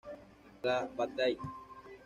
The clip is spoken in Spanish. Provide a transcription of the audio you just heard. La Bataille